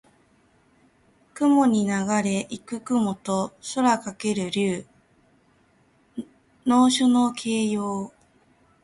空にながれ行く雲と空翔ける竜。能書（すぐれた筆跡）の形容。